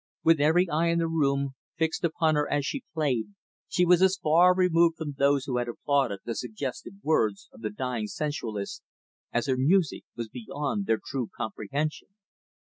With every eye in the room fixed upon her as she played, she was as far removed from those who had applauded the suggestive words of the dying sensualist as her music was beyond their true comprehension.